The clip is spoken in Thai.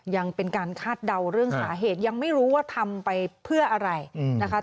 ยังเป็นการคาดเดาเรื่องสาเหตุยังไม่รู้ว่าทำไปเพื่ออะไรนะคะ